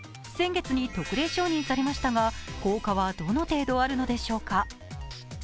先月に特例承認されましたが、効果はどの程度あるのでしょうか。